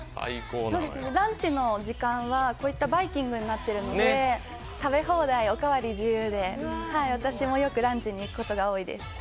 ランチの時間はこういったバイキングになっているので食べ放題、おかわり自由で私もよくランチに行くことが多いです。